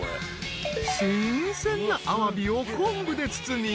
［新鮮なあわびを昆布で包み］